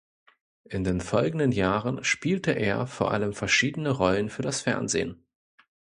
In den folgenden Jahren spielte er vor allem verschiedene Rollen für das Fernsehen.